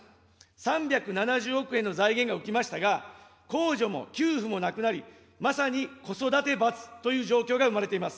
３７０億円の財源が浮きましたが、控除も給付もなくなり、まさに子育て罰という状況が生まれています。